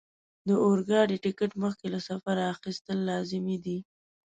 د اورګاډي ټکټ مخکې له سفره اخیستل لازمي دي.